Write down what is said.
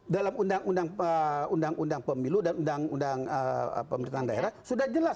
dalam undang undang pemilu dan undang undang pemerintahan daerah sudah jelas